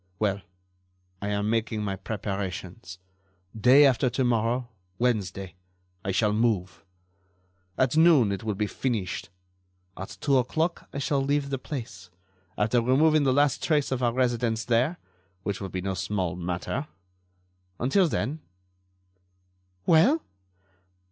Well, I am making my preparations. Day after to morrow, Wednesday, I shall move. At noon it will be finished. At two o'clock I shall leave the place, after removing the last trace of our residence there, which will be no small matter. Until then——" "Well?"